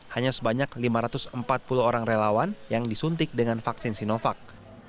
hanya sebanyak lima ratus empat puluh orang relawan yang disuntik dengan vaksin sinovac